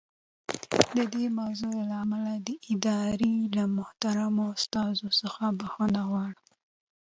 د دې موضوع له امله د ادارې له محترمو استازو څخه بښنه غواړم.